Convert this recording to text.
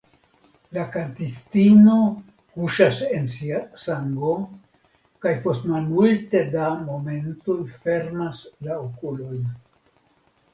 La kantistino kuŝas en sia sango kaj post malmulte da momentoj fermas la okulojn.